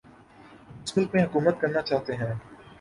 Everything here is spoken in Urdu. جس ملک میں حکومت کرنا چاہتے ہیں